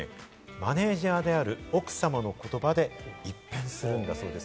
マネジャーである奥様の言葉で一転するんだそうです。